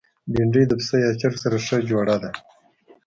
بېنډۍ د پسه یا چرګ سره ښه جوړه ده